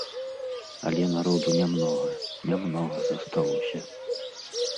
Але народу нямнога, нямнога засталося.